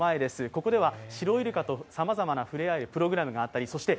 ここではシロイルカとさまざまなふれあえるプログラムがあってそして